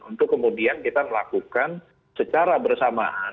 untuk kemudian kita melakukan secara bersamaan